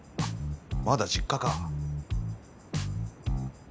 まだ実家か？